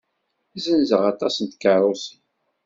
Zenzeɣ aṭas n tkeṛṛusin.